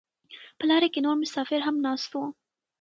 په لاره کې نور مسافر هم ناست وو.